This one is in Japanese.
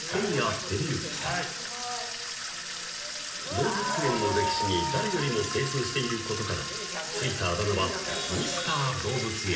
［動物園の歴史に誰よりも精通していることから付いたあだ名は］